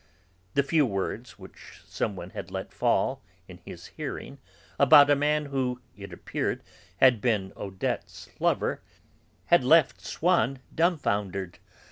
The few words which some one had let fall, in his hearing, about a man who, it appeared, had been Odette's lover, had left Swann dumbfounded.